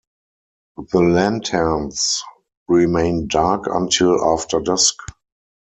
The lanterns remain dark until after dusk.